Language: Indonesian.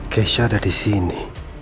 keisha ada di sini